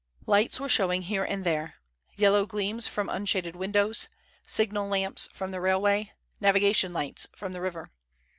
Lights were showing here and there—yellow gleams from unshaded windows, signal lamps from the railway, navigation lights from the river.